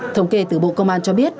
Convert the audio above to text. thống kê từ bộ công an cho biết